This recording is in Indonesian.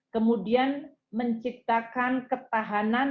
kemudian menciptakan ketahanan